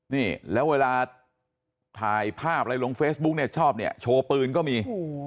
นี่แล้วเวลาถ่ายภาพอะไรลงเฟซบุ๊กเนี่ยชอบเนี่ยโชว์ปืนก็มี